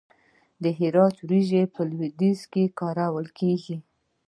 د هرات وریجې په لویدیځ کې کارول کیږي.